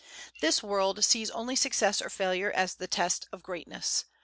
This world sees only success or failure as the test of greatness.